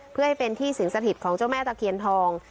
เพื่อให้เป็นที่สิงสถิตของเจ้าแม่ตะเคียนทอง